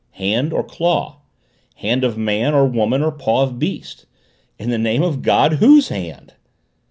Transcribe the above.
Hand or claw? Hand of man or woman or paw of beast? In the name of God WHOSE HAND?